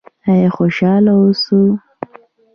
آیا خوشحاله اوسو؟